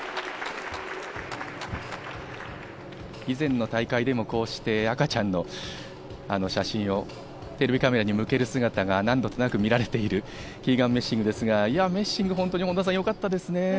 以前の大会でも、こうして赤ちゃんの写真をテレビカメラに向ける姿が何度となく見られているキーガン・メッシングですが、本当によかったですね。